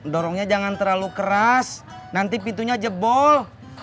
dorongnya jangan terlalu keras nanti pintunya jebol